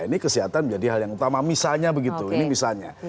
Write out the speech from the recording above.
ini kesehatan menjadi hal yang utama misalnya begitu ini misalnya